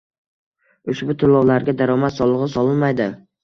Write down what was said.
ushbu to‘lovlarga daromad solig‘i solinmaydi